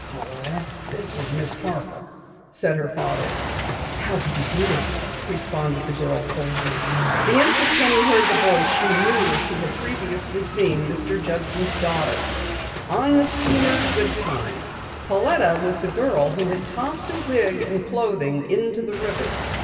"Pauletta, this is Miss Parker," said her father. "How do you do," responded the girl coldly. The instant Penny heard the voice she knew where she previously had seen Mr. Judson's daughter on the steamer Goodtime! Pauletta was the girl who had tossed a wig and clothing into the river.